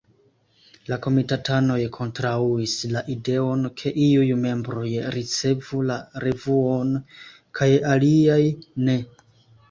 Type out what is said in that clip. La komitatanoj kontraŭis la ideon ke iuj membroj ricevu la revuon kaj aliaj ne.